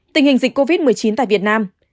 tình hình dịch covid một mươi chín tại việt nam